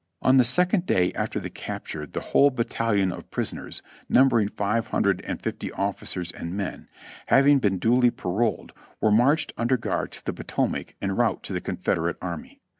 On the second day after the capture the whole battalion of prisoners, numbering five hundred and fifty officers and men, having been duly paroled, were marched under guard to the Po tomac en route to the Confederate army.